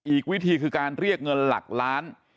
อีกวิธีคือการเรียกเงินหลักล้าน